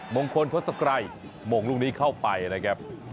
มงคลทดสไครบ์มงลุงนี้เข้าไปนะครับ